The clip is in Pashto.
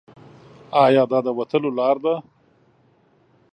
ایا دا د وتلو لار ده؟